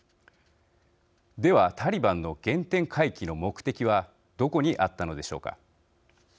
では、タリバンの原点回帰の目的はどこにあったのでしょうか。